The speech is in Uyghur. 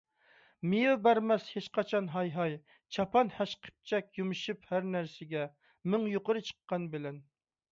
مېۋە بەرمەس ھېچقاچان ھاي - ھاي چاپان ھەشقىپىچەك، يۆمىشىپ ھەرنەرسىگە مىڭ يۇقىرى چىققان بىلەن.